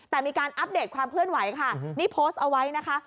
แต่มีการอัปเดตความเคลื่อนไหวค่ะนี่โพสต์เอาไว้นะคะ